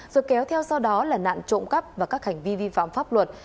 rồi kéo theo sau đó là nạn trộm cắp và các hành vi vi phạm pháp luật